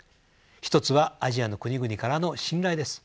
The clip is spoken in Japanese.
１つはアジアの国々からの信頼です。